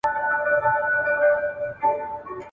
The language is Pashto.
په ژوندوني سو کمزوری لکه مړی !.